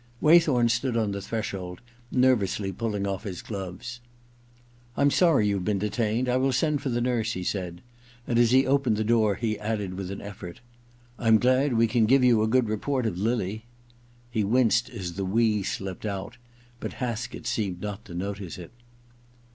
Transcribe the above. Waythom stood on the threshold, nervously pulling off his gloves. * I'm sorry you've been detained. I will send for the nurse/ he said ; and as he opened the door he added with an effort :^ I'm glad we can give you a good report of lily.' He winced as the we slipped out, but Haskett seemed not to notice it.